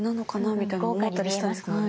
みたいに思ったりしたんですけどね。